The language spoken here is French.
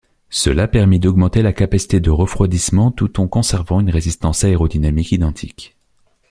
Cela permit d'augmenter la capacité de refroidissement tout en conservant une résistance aérodynamique identique.